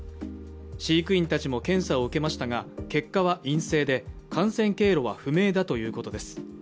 飼育員たちも検査を受けましたが、結果は陰性で、感染経路は不明だということです。